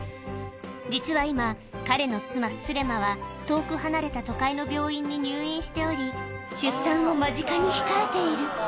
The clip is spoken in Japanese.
実は今、彼の妻、スレマは遠く離れた都会の病院に入院しており、出産を間近に控えている。